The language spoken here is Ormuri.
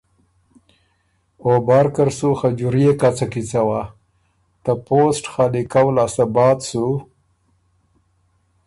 او بارکر سُو خجوريې کڅه کی څوا، ته پوسټ خالی کؤ لاسته بعد سُو